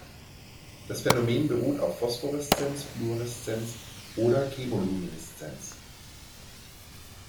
Das Phänomen beruht auf Phosphoreszenz, Fluoreszenz oder Chemolumineszenz.